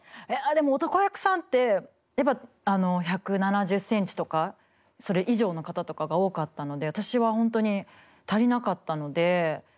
いやでも男役さんってやっぱ１７０センチとかそれ以上の方とかが多かったので私は本当に足りなかったので。